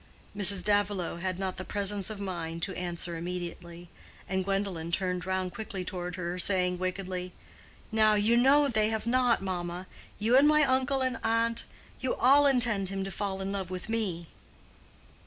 Mrs. Davilow had not the presence of mind to answer immediately, and Gwendolen turned round quickly toward her, saying, wickedly, "Now you know they have not, mamma. You and my uncle and aunt—you all intend him to fall in love with me."